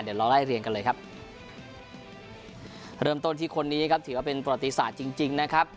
เดี๋ยวเราไล่เรียงกันเลยครับเริ่มต้นที่คนนี้ครับถือว่าเป็นประวัติศาสตร์จริงจริงนะครับ